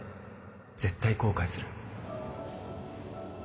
絶対後悔する